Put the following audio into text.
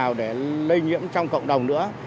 đó là một cái vụ nào để lây nhiễm trong cộng đồng nữa